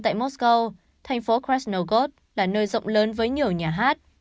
tại moscow thành phố krasnogorsk là nơi rộng lớn với nhiều nhà hát